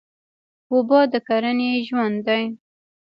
اوبه د کرنې ژوند دی.